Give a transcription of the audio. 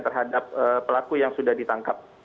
terhadap pelaku yang sudah ditangkap